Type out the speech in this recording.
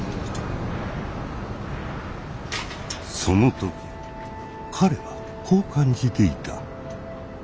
その時彼はこう感じていた。